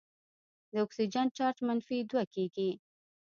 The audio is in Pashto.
د اکسیجن چارج منفي دوه کیږي.